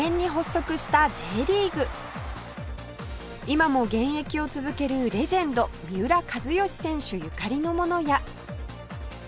今も現役を続けるレジェンド三浦知良選手ゆかりのものや